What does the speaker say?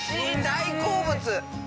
大好物。